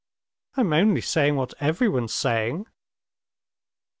"I'm only saying what everyone's saying."